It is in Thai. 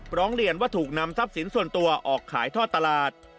ร้องเรียนว่าถูกนำทรัพย์สินส่วนตัวออกขายทอดตลาด